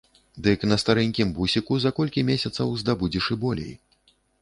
Дык на старэнькім бусіку за колькі месяцаў здабудзеш і болей.